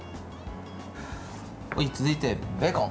続いて、ベーコン。